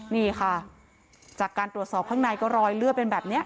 นี่ค่ะจากการตรวจสอบข้างในก็รอยเลือดเป็นแบบนี้